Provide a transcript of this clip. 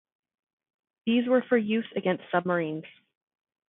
These were for use against submarines.